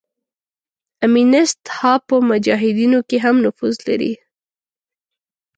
امینست ها په مجاهدینو کې هم نفوذ لري.